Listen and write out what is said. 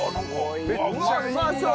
うわっうまそう！